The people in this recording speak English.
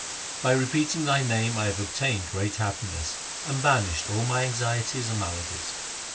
By repeating Thy name I have obtained great happiness, and banished all my anxieties and maladies.